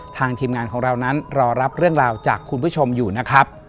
ทีมงานของเรานั้นรอรับเรื่องราวจากคุณผู้ชมอยู่นะครับ